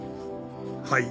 はい。